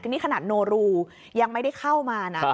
นี่ขนาดโนรูยังไม่ได้เข้ามานะ